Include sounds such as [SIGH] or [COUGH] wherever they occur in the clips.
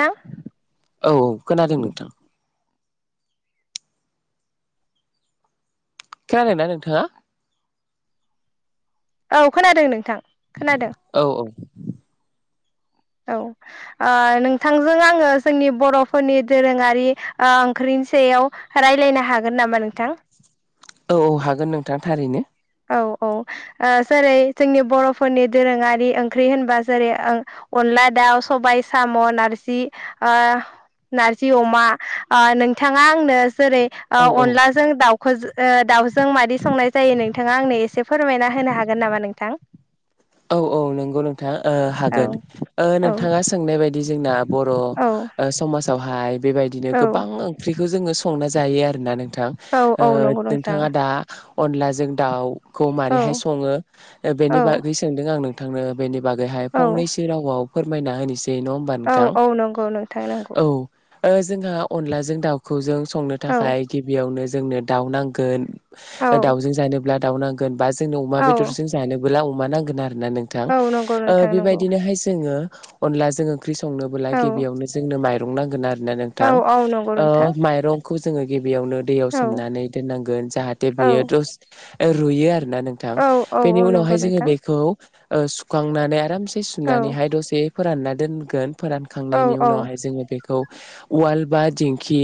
हा। औ खोनादों नोंथां । खोनादों ना नोंथाङा? औ खोनादों नोंथां। खोनादों औ औ। औ ओ नोंथांजों आङो जोंनि बर'फोरनि दोरोङारि ओ ओंख्रि नि सायाव रायलायनो हागोन नामा नोंथां? औ औ हागोन नोंथां थारैनो। औ औ जेरै जोंनि बर'फोरनि दोरोङारि ओंख्रि होनबा जेरै ओं मला दाउ सबाइ साम' नारजि आ नारजि अमा नोंथाङा आंनो जेरै ओ औ औ अनलाजों दाउखौ दाउजों मादै संनाय जायो नों नोंथाङा आंनो एसे फोरमायना होनो हागोन नामा नोंथां? औ औ नंगौ नोंथाङा औ हागोन औ नोंथाङा सोंनाय बायदि जोंना बर' औ समाजावहाय बेबादिनो औ गोबां ओंख्रिखौ जोङो से संना जायो आरोना नों थां औ औ नंगौ नोंथां नोंथाङा दा अनलाजों दाउखौ औ माबारैहाय सङो बेनि औ नों आं नोंथांनो बेनि बागैहाय औ फंनैसो रावआव फोरमायना होनोसै दे नङा होनबा औ नोंथां औ नंगौ नोंथां नंगौ औ ओ जोंहा अनलाजों दाउखौ जों संनो औ थाखाय गिबियावनो जोंनो दाउ नांगोन औ दाउजों जानोब्ला दाउ नांगोन बा जोंनो अमा औ बेदरजों जानोब्ला अमा नांगोन आरो ना नोंथां औ नंगौ ओ नोंथां नंगौ बेबायदिनोहाय जोङो अनला जों ओंख्रि संनोबोला औ गिबियावनो जोंनो माइरं नांगोन आरो ना औ नोंथां औ नंगौ ओ नोंथां माइरंखौ जों गिबि बेयावनो दैयाव औ सोमनानै दोननांगोन जाहाथे औ बेयो दसे रुयो आरो दा नोंथां औ औ औ बेनि नंगौ उनावहाय जोङो नोंथां खौ ओ सुखांनानै आरामसे औ सुनानैहाय दसे फोरानना दोनगोन औ फोरानखांनायनि औ उनावहाय जोङो बेखौ उवाल बा दिंखि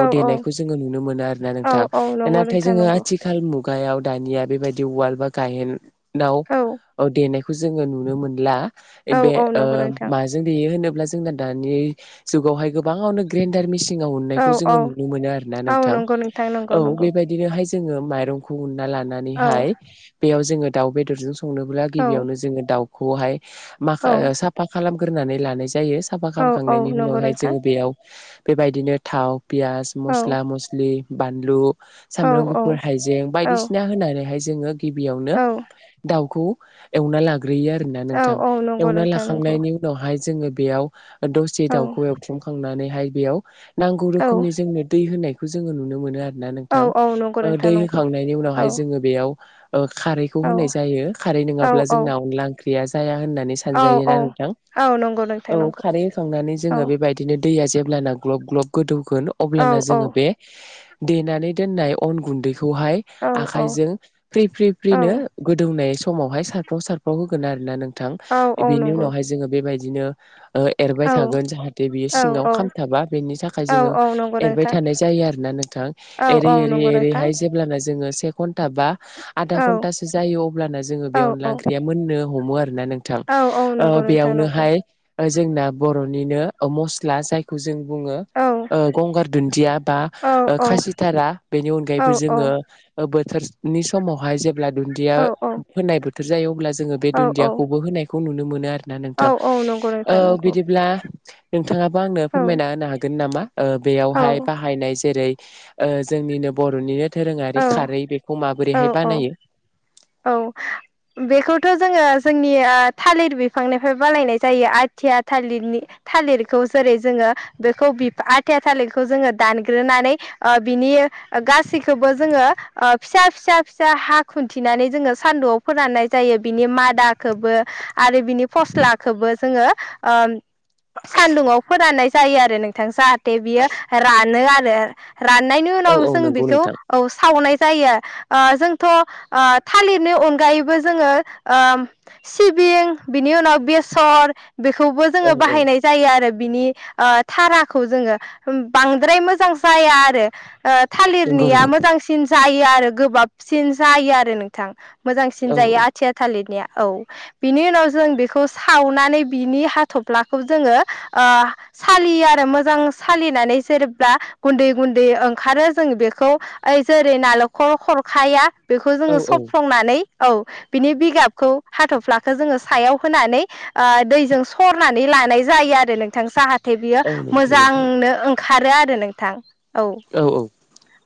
औ देनायखौ जोङो नुनो मोनो आरो ना औ नोंथां औ नंगौ नाथाय नोंथां जोङो नंगौ आथिखाल मु गायाव दानिया बेबायदि उाल बा गाय औ अ देनायखौ जोङो नुनो मोनला औ बे औ ओ नंगौ नोंथां माजों देयो होनोब ब्ला जोंहा दानि जुगावहाय गोबांआनो ग्रिन्दार मेसिन सिंआव औ उन्नाइखौ जोङो नुनो मोनो आरो ना औ नोंथां नंगौ नोंथां नंगौ औ नंगौ बेबायदिनोहाय जोङो माइरंखौ ना औ लानानैहाय बेयाव जोङो दाउ बेदरजों संनोब्ला औ गिबियावनो जोङो दाउखौहाय माखा औ साफा खालामगोरनानै लानाय जायो जायो साफा औ औ खालामखांनायनि नंगौ उनावहाय नोंथां जोङो बेयाव बेबायदिनो थाव पियास औ मस्ला मस्लि बानलु औ सामब्राम औ गुफुर हाइजें बायदिसिना होनानैहाय जोङो गिबियावनो औ दाउखौ एवना लागोन ग्रोयो आरोना औ नोंथां औ नंगौ एवनानै नोंथां नंगौ लाखांनायनि उनावहाय जोङो बेयाव दसे औ दाउखौ एवथ्रुमखांनानैहाय बेयाव नांगौ औ रोखोमनि जोंनो दै होनाय बखौ जोङो नुनो मोनो आरोना औ नोंथां औ नंगौ नोंथां दै नंगौ होखांनायनि औ उनावहाय जोङो बेयाव ओ खारैखौ औ होनाय जायो खारै नङाब्ला औ जोंना अनला ओंख्रिया जाया होन्नानै औ औ सानजायोना नोंथां औ नंगौ नोंथां औ नंगौ खारै होखांनानै औ जोङो बेबायदिनो दैया जेब जेब्लाना ग्लब ग्लब गोदौगोन औ अब्लाना औ जोङो बे देनानै दोन्नाइ अन गुनदैखौ खौहाय औ आखाइजों फ्रि फ्रि औ फ्रिनो बुंनाय समावहाय सारफ्राव सारफ्राव होगोन आरोना नोंथां औ औ बेनि नंगौ उनावहाय जोङो बेबायदिनो ओ औ एरबाय थागोन जाहाथे बियो औ सिङाव खामथाबा बेनि थाखाय औ जोङो औ नंगौ एरबाय नोंथां थानाय जायो आरो ना नोंथां औ एरै औ एरै नंगौ नोंथां एरैहाय जेब्लाना जोङो घन्टा बा आदा औ घन्टासो जायो अब्लानो जोङो बे औ अनला औ ओंख्रिया मोननो हमो आरो ना नोंथां औ औ ओ नंगौ नोंथां नंगौ बेयावनोहाय जोंना बर'निनो मस्ला जायखौ जों बुङो औ ओ गंगार दुन्दिया बा औ औ खासिथारा बेनि औ अनगायैबो औ जोङो बोथोरनि समावहाय जेब्ला दुन्दिया औ होनाय बोथोर जायो अब्ला जोङो बे औ औ दुन्दियाखौबो होनायखौ नुनो मोनो आरोना औ नोंथां औ नंगौ ओ नोंथां नंगौ बिदिब्ला नोंथाङाबो आंनो औ फोरमायना होनो हागोन नामा औ बेयावहाय बाहायनाय जेरै ओ जोंनिनो बर'निनो दोरोङारि खारै बेखौ औ माबोरैहाय औ बानायो औ बेखौथ' जोङो जोंनि ओ थालिर बिफांनिफ्राय बानायनाय जायो आथिया थालिरनि थालिरखौ जेरै जोङो बेखौ बिफ आथिया थालिरखौ जोङो दानग्रोनानै ओ बिनि गासै खौबो जोङो ओ फिसा फिसा फिसा हा खुन्थिनानै जोङो सान्दुआव फोराननाय जायो बिनि मा मादाखौबो आरो बिनि फस्लाखौबो जोङो ओ सान्दुङाव फोराननाय जायो आरो नोंथां जाहाथे बियो रानो आरो राननायनि औ उनाव औ जों नंगौ बेखौ नोंथां औ सावनाय जायो ओ जोंथ' ओ थालिरनि अनगायैबो जोङो ओ सिबिं बिनि उनाव बेसर बेखौबो औ जोङो औ बाहायनाय जायो आरो बिनि ओ थाराखौ जोङो बांद्राय मोजां जाया आरो ओ थालिर नंगौ निया नंगौ मोजांसिन जायो आरो गोबाबसिन जायो आरो नोंथां मोजांसिन औ जायो आथिया थालिरनिया औ बिनि उनाव जों बेखौ सावनानै बिनि हाथ'फ्लाखौ जोङो ओ सालियो आरो मोजां सालिनानै जेब्ला गुन्दै गुन्दै ओंखारो जों बे खौ ओइ जेरै नालेंखर हरखाया बेखौ औ जोङो औ सफ्लंनानै औ बिनि बिगाबखौ हाथ'फ्लाखौ जोङो सायाव होनानै ओ दैजों सरनानै ला लानाय जायो आरो नोंथां जाहाथे बियो औ नंगौ नोंथां मोजांनो ओंखारो आरो नोंथां औ औ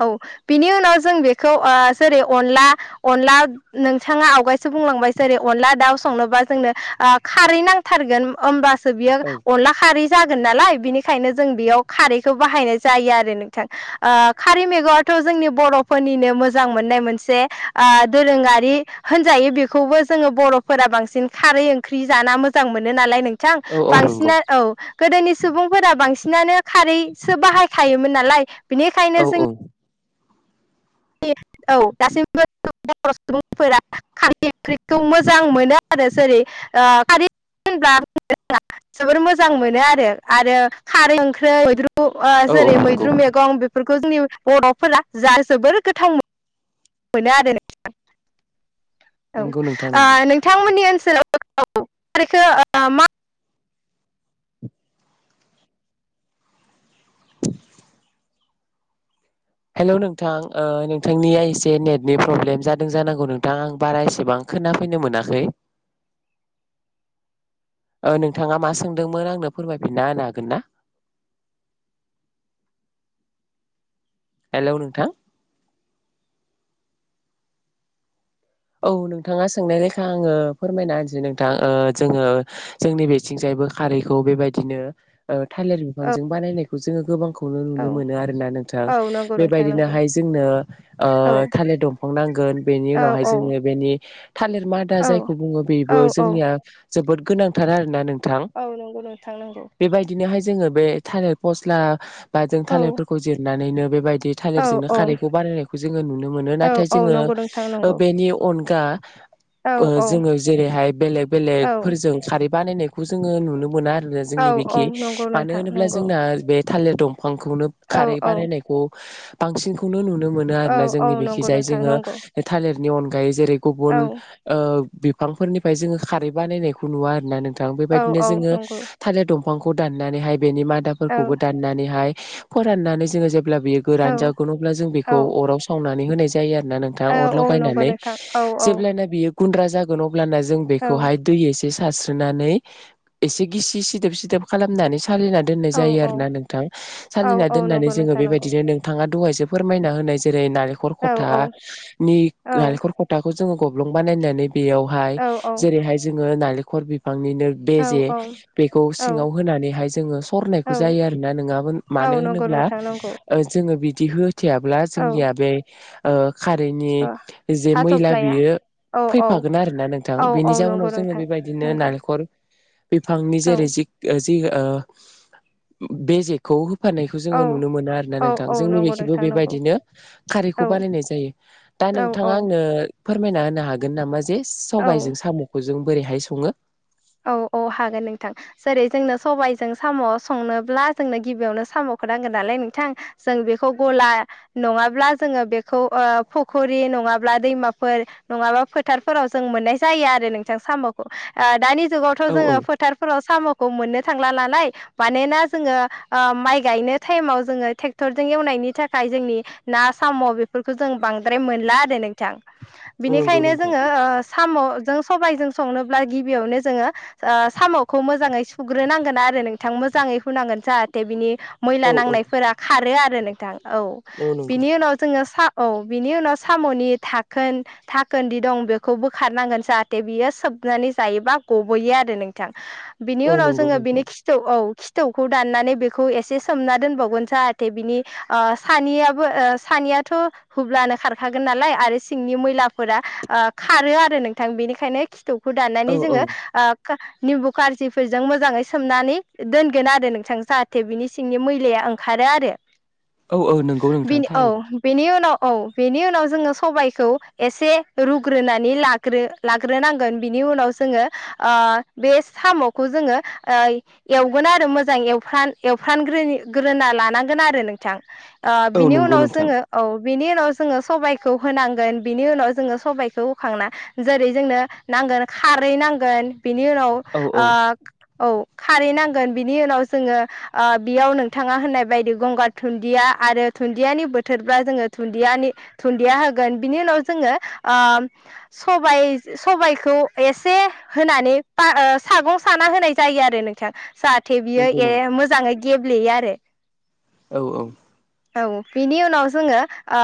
औ बिनि उनाव जों बेखौ ओ जेरै अनला अनला नोंथाङा आवगायसो बुंलांबाय- जेरै अनला दाउ संनोबा जोंनो ओ खारै नांथारगोन अमबा बियो अनला खारि जागोन नालाय बिनिखायनो जों बेयाव खारैखौ बाहायनाय जायो आरो नोंथां ओ खारि मैगंआथ' जोंनि बर'फोरनिनो मोजां मोननाय मोनसे ओ दोरोङारि होनजायो बेखौबो जोङो बर'फोरा बांसिन खारै ओंख्रि जाना मोजां मोनो नालाय नों नोंथां औ औ नंगौ बांसिना औ गोदोनि सुबुंफोरा बांसिनानो खारैसो बाहायखायोमोन नालाय बिनिखाय औ औ औ दासिमबो बर' सुबुंफोरा खारै ओंख्रिखौ मोजां मोनो आरो जेरै ओ खारै होनब्ला जोबोर मोजां मोनो आरो आरो खारै ओंख्रि मैद्रु ओ औ औ जेरै नंगौ मैद्रु मैगं बेफोरखौ जोंनि बर'फोरा जा जोबोर गोथाव मोनो मोनो आरो नोंथां औ नंगौ नोंथां नंगौ ओ नोंथांमोननि ओनसोलाव खारिखौ ओ मा हेलौ नोंथां ओ नोंथांनिया एसे नेटनि प्रब्लेम जादों जानांगौ नोंथां आं बारा एसेबां खोनाफैनो मोनाखै [INAUDIBLE] ओ नोंथाङा मा सोंदोंमोन आंनो फोरमायफिनना होनो हागोन ना [INAUDIBLE] हेलौ नोंथां औ नोंथाङा सोंनाय लेखा आङो फोरमायना होनसै नोंथां ओ जोङो जोंनि बेथिंजाय बो खारैखौ बेबायदिनो ओ थालिर औ बिफांजों बानायनायखौ जोङो गोबांखौनो औ नुनो मोनो आरो ना नोंथां औ नंगौ नोंथां नंगौ बेबायदिनोहाय जों नो ओ औ थालिर दंफां नांगोन बेनि औ उनावहाय जोङो बेनि थालिर मादा औ जायखौ बुङो औ बेबो औ जोंनिया जोबोद गोनांथार आरोना नों औ नंगौ नोंथां नंगौ जोंङो बे थालिर फस्ला बा जों औ थालिरफोरखौ जिरनानैनो बेबायदि औ थालिरजोंनो औ खारैखौ बनायनायखौ जोङो नुनो मोनो औ नाथाय औ जोङो नंगौ नोंथां ओ नंगौ बेनि अनगा औ ओ औ जोङो जेरैहाय बेलेग औ बेलेगफोरजों खारै बानायनायखौ जोङो नुनो मोना आरोना औ जोंनि औ बेखि नंगौ मानो नोंथां होनोब्ला नंगौ जोंना बे थालिर दंफांखौनो औ खारै औ बारायनायखौ बांसिनखौनो नुनो नुनो मोन औ आरोना औ जोंनि नंगौ बिखिजाय नोंथां जोङो नंगौ थालिरनि अनगायै जेरै गुबुन औ बिफांफोरनिफ्राय जोङो खारै बानायनायखौ नुवा आरो ना नोंथां औ बेबायदिनो औ जोङो नंगौ थालिर दंफां दफांखौ दानानैह बेनि औ मादाफोरखौबो दानानैहाय फोरान [UNINTELLIGIBLE] अब्ला बेयो औ गोरान जागोन अब्ला जों बेखौ औ अराव सावनानै होनाय जायो आरोना नोंथाङा औ औ अराव नंगौ नोंथां औ जेब्ला बियो गुनड्रा जागोन अब्लाना जों औ बेखौ हाय दैय एसे सारस्रिना होनाने एसे गीसि सिदोब सिदोब खालामना सालिना दोन्नाय जायो आरोना नोंथां औ सालिना औ दोन्नानै नंगौ जोङो नोंथां नंगौ बेबायदिनो नोंथाङा दहाय जोब फोरमायना होनाय जेरै नालेंखर औ खथ औ औ नालेंखर खथाखौ जों ब्लं बानायनानै बेयावहाय औ औ जेरैहाय जोङो नालेखर बि फांनिनो औ बेेजे बेखौ सिङाव होनानैहाय जोङो सरनायखौ जायो आरोना नोङामोन मा औ मानो नंगौ होनोब्ला नोंथां नंगौ ओ‌ जोङो बि दिहो होथेयाब्ला औ जोंनिया बे ओ खारैनि ओ जे मैला हाथ'फ्लाया बियो औ औ फैफागोन आरोना नोंथां औ औ बेनि नंगौ जाहोनाव जोङो नोंथां बेबायदिनो नंगौ नालेखर बिफांनि औ जेरै बे जि-जि ओ बेजेखौ‌ फानायखौ जोङो औ नुनो मोना आर ना औ नोंथां औ जोंनि नंगौ बेखिबो नोंथां नंगौ बेबायदिनो खारैखौ औ बानायनाय जायो दा नों औ थां औ आंनो फोरमायना होनो हागोन नामा जे औ सबायजों साम'खौ जों बोरैहाय सङो औ औ हागोन नोंथां जेरै जोंनो सबायजों साम' संनोब्ला जोंनो गिबियावनो साम' खो नांगो नालाय नोंथां जों बेखौ गला नङाब्ला जोङो बेखौ ओ फुखरि नङाब्ला दैमाफोर नङाबा फोथारफोराव जों मोननाय जायो आरो नोंथां साम'खौ ओ दानि जुगावथ' औ औ जोङो फोथारफोराव साम' खौ मोननो थांला नालाय मानोना जोङो ओ माइ गायनो थाइमाव जोङो थेक्टर जों एवनाय नि थाखाय जोंनि ना साम' बेफोरखौ जों बांद्राय मोनला आरो नोंथां औ नंगौ बिनिखायनो नोंथां जोङो ओ साम'जों सबायजों संनोब्ला गिबियावनो जोङो ओ साम'खौ मोजाङै सुग्रोनांगोन आरो नोंथां मोजाङै हुनांगोन जाहाथे बिनि मैला औ औ नांनायफोरा खारो आरो नोंथां औ बिनि उनाव जोङो सा औ बिनि उनाव साम'नि थाखोन धाखोनदि दं बेखौ बोखारनांगोन जाहाथे बियो सोब नानै जायोबा गबोयो आरो नोंथां बिनि औ उनाव नंगौ जोङो बिनि नोंथां खिथौ औ थौखौ दाननानै बेखौ एसे सोमना दोनबावगोन जाहाथे बिनि ओ सानिआबो ओ‌ सानिआ याथ' हुब्लानो खारखागोन नालाय आरो सिंनि मैफोरा ओ खारो आरो नोंथां बेनिखायनो खिथौ‌ खौ औ दाननानै औ जोङो आ खा निमबु कारजिफोरजों मोजाङै सोमनानै दोनगोन आरो नोंथां जाहाथे बिनि सिंनि मै [UNINTELLIGIBLE] ओंखारो आरो औ औ नंगौ नोंथां बिनि औ थारैनो बेनि उनाव औ बेनि उनाव जोङो सबायखौ एसे रुग्रोनानै लाग्रो-लाग्रोनांगोन बिनि उनाव जोङो ओ बे साम'खौ जोङो ओ एवगोन आरो मोजां एवफ्रान-एवफ्रानगो ग्रोनि ग्रोना लानांगोन आरो नोंथां ओ औ बिनि नंगौ उनाव नोंथां जोङो औ बिनि उनाव जोङो सबायखौ होनांगोन बिनि उनाव जोङो सबायखौ होखांना जेरै जोंनो ना गोन खारै नांगोन बिनि उनाव औ औ ओ औ खारै नांगोन बिनि उनाव जोङो ओ बेयाव नोंथाङा होननाय बायदि गंगार धुनन्दिया आरो धुन्दियानि बोथोरब्ला जोङो धुन्दियानि धुन्दिया होगोन बिनि उनाव जोङो ओ सबाय-सबायखौ एसे होनानै पा ओ सागं साना होनाय जायो आरो नोंथां जाहाथे बियो नंगौ ए नंगौ मोजाङै गेब्लेयो आरो औ औ औ बिनि उनाव जोङो ओ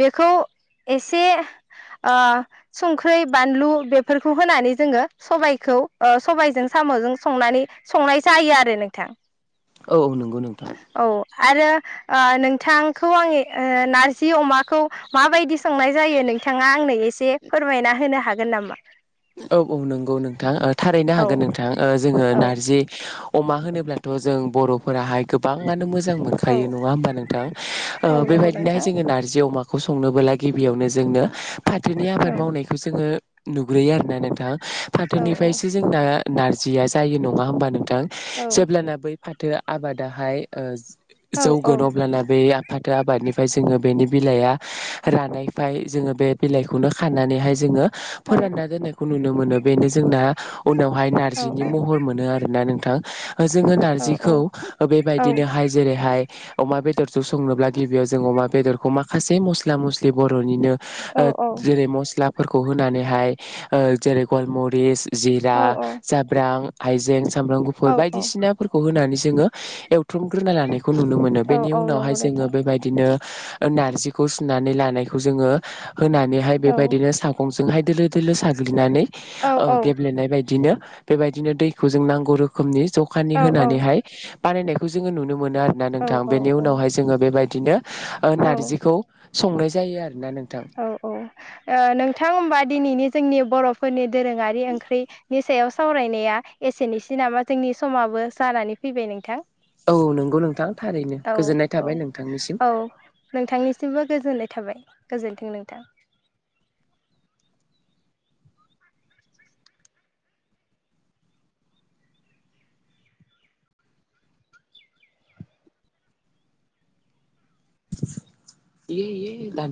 बेखौ एसे ओ संख्रै बानलु बेफोरखौ होनानै जोङो सबायखौ ओ सबायजों साम'जों संनानै संनाय जायो आरो नोंथां औ नंगौ नोंथां औ आरो ओ नोंथांखौ आंनि ओ नारजि अमाखौ माबायदि संनाय जायो नोंथाङा आंनो एसे फोरमायना होनो हागोन नामा औ औ नंगौ नोंथां थारैनो औ हागोन नोंथां ओ जोङो औ नारजि अमा होनोब्लाथ' जों बर'फोराहाय गोबाङानो मोजां जां मोनखायो नङा होमबा नोंथां ओ औ नंगौ बेबायदिनोहाय नोंथां जोङो नारजि अमा खौ संनोबोला गिबियावनो जोंनो फाथोनि आबाद औ मावनायखौ जोङो नुग्रोयो आरो ना नोंथां औ औ फाथोनिफ्रायसो जोंना नारजिया जायो नङा होमबा नों थां औ जेब्लाना बै फाथो आबादाहाय ओ औ जौगोन अब्लाना बे फाथो आबादनिफ्राय जोङो बेनि बिलाइया रानायफाय जोङो बे बिलाइखौनो खानानैहाय जोङो औ फोरानना दोननायखौ नुनो मोनो बेनो जोंना उनावहाय औ नार्जिनि महर मोनो आरोना नों थां ओ जोङो नारजिखौ बेबायदिनोहाय जेरैहाय अमा बेदरजों संनोब्ला गिबियाव जों अमा बेदरखौ माखासे मस्ला मस्लि बर'निनो ओद जेरै मस्लाफोरखौ होनानैहाय ओ जेरै गलमरिस जिरा जाब्रां हाइजें सामब्राम गुफुर औ बायदिसिनाफोरखौ होनानै जोङो एवथुमग्रोना लानायखौ नुनो मोनो औ बेनि औ उनावहाय नंगौ जोङो नोंथां बेबायदिनो ओ नारजिखौ सुनानै लानायखौ जोङो होनानैहाय औ बेबायदिनो सागंजोंहाय दोलो दोलो साग्लिनानै औ ओ औ गेब्लेनाय बायदिनो बेबायदिनो दैखौ जों नांगौ रोखोमनि जखानि औ होनानैहाय बानायनायखौ जोङो नुन नो मोनो आरोना नोंथां औ बेनि औ उनावहाय औ जोङो बेबायदिनो ओ औ नारजिखौ संनाय जायो आर [UNINTELLIGIBLE] औ औ ओ नोंथां होमबा दिनैनि जोंनि बर'फोरनि दोरोङारि ओंख्रि नि सायाव स सावरायनाया एसेनिसै नामा जोंनि समाबो जानानै फैबाय नोंथां औ नंगौ नोंथां थारैनो औ गोजोननाय औ थाबाय नोंथांनिसिम औ नोंथांनिसिमबो गोजोननाय थाबाय गोजोन्थों नोंथां। ए ए दान